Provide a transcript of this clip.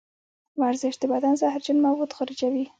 ورزش د بدن زهرجن مواد خارجوي.